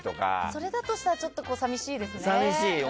それだとしたらちょっと寂しいですね。